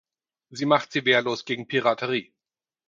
Sie macht sie wehrlos gegen Piraterie.